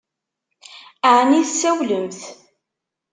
Ɛni tsawlemt?